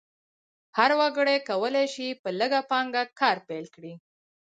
هر وګړی کولی شي په لږه پانګه کار پیل کړي.